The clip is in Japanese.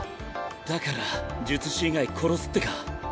だから術師以外殺すってか？